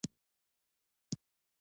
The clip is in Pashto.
ایا ستاسو لمر به را نه خېژي؟